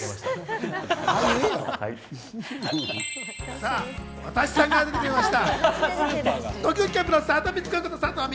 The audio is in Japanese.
さあ、私さんが出てきました。